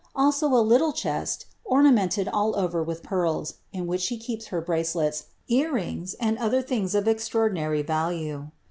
Also a little chest, ornumenlcd all over wiih pearls in which she keeps her bracelets, ear riiiE?, and other things of extraor dinary value.